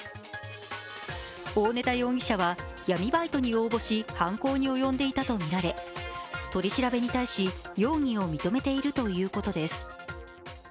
大根田容疑者は闇バイトに応募し犯行に及んでいたとみられ取り調べに対し、容疑を認めているということです。